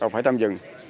phải tạm dừng